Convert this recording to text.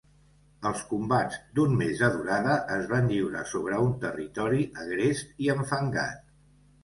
Els combats, d'un mes de durada, es van lliurar sobre un territori agrest i enfangat.